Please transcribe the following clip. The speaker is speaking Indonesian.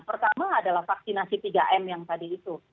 pertama adalah vaksinasi tiga m yang tadi itu